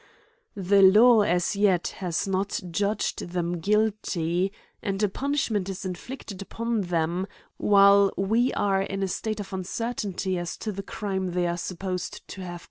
The law, as yet, has not judged them guilty ; and, a punishment is inflict ed upon them, while we are in a state of uncer tainty as to the crime they are supposed to have CRIMES A^U PUNISHMENTS.